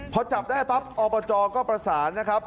พอจับได้ปั๊บอบจก็ประสานนะครับ